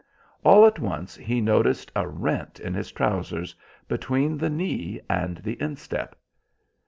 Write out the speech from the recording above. All at once he noticed a rent in his trousers, between the knee and the instep.